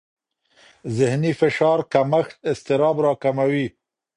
ذهني فشار کمښت اضطراب راکموي.